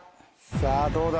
さぁどうだ？